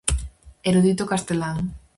Erudito castelán.